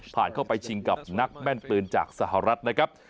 ผ่านเข้าไปชิงกับนักแม่นปืนจากสหรัฐนะครับ